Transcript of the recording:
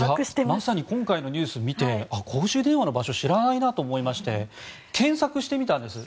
まさに今回のニュースを見て公衆電話の場所知らないなと思いまして検索してみたんです